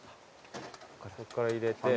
そっから入れて。